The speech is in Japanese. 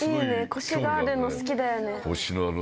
コシがあるの好きだよね。